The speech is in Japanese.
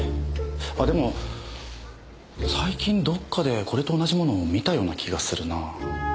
あっでも最近どっかでこれと同じものを見たような気がするな。